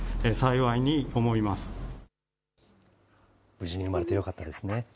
無事に産まれてよかったですね。